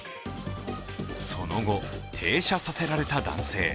その後、停車させられた男性。